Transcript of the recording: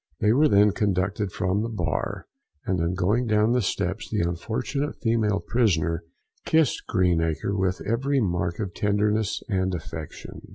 They were then conducted from the bar, and on going down the steps, the unfortunate female prisoner kissed Greenacre with every mark of tenderness and affection.